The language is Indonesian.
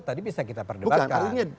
tadi bisa kita perdebatkan